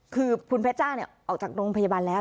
คือคุณเพชรจ้าออกจากโรงพยาบาลแล้ว